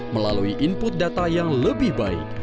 melalui input data yang lebih baik